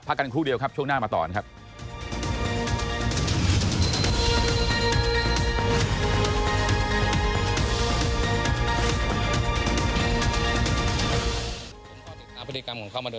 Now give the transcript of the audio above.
กันครู่เดียวครับช่วงหน้ามาต่อนะครับ